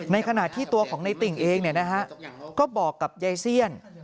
ในขณะที่ตัวของในติ่งเองก็บอกกับยายเซียน